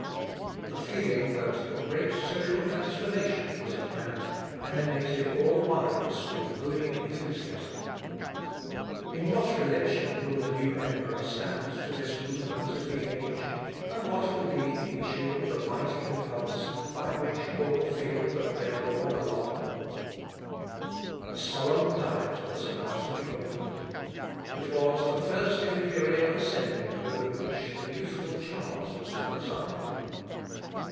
The feeling that a great social transformation was at hand animated all minds with holy enthusiasm. In what relation will the new emperor stand to this movement of the age, and what will be the issue of the mighty impulse, by which all feel that they are borne along? A solemn Diet was about to be opened. It was the first imperial assembly over which the youthful Charles was to preside.